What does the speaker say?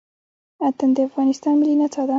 اتڼ د افغانستان ملي نڅا ده.